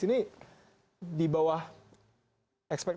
tapi justru di pan ada yang berbeda